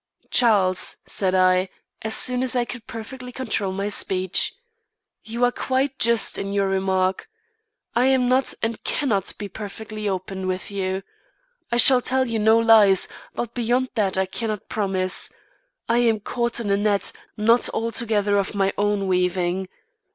"Charles," said I, as soon as I could perfectly control my speech, "you are quite just in your remark. I am not and can not be perfectly open with you. I shall tell you no lies, but beyond that I cannot promise. I am caught in a net not altogether of my own weaving.